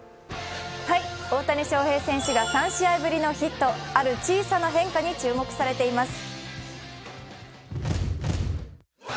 大谷翔平選手が３試合ぶりのヒット、ある小さな変化に注目されています。